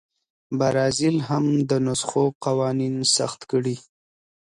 برازیل هم د نسخو قوانین سخت کړي.